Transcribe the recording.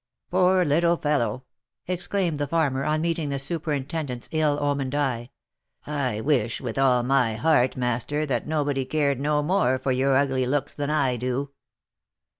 (i Poor little fellow 1" exclaimed the farmer, on meeting the super intendent's ill omened eye. " I wish, with all my heart, master, that nobody cared no more for your ugly looks than I do."